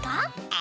え？